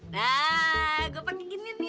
nah gue pakai gini nih